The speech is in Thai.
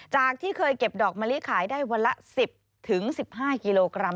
จากที่เคยเก็บดอกมะลิขายได้วันละ๑๐๑๕กิโลกรัม